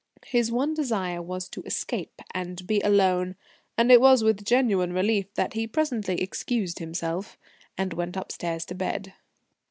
His one desire was to escape and be alone, and it was with genuine relief that he presently excused himself and went upstairs to bed.